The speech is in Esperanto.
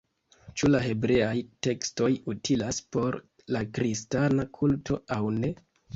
Ĉu la hebreaj tekstoj utilas por la kristana kulto aŭ ne?